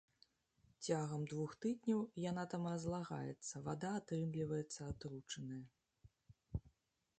Цягам двух тыдняў яна там разлагаецца, вада атрымліваецца атручаная.